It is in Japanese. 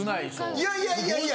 いやいやいやいや！